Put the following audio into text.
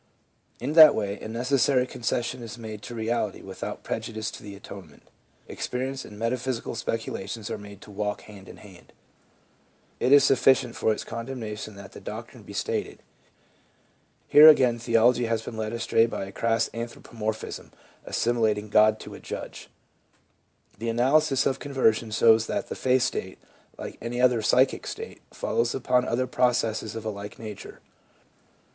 In that way a necessary concession is made to reality without prejudice to the Atonement : experience and metaphysical speculations are made to walk hand in hand. It is sufficient for its condemnation that the doctrine be stated. Here again theology has been led astray by a crass anthropomorphism, assimilating God to a Judge. The analysis of conversion shows that the faith state, like any other psychic state, follows upon other processes of a like nature.